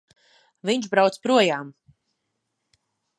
Viņš brauc projām!